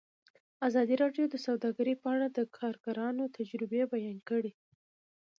ازادي راډیو د سوداګري په اړه د کارګرانو تجربې بیان کړي.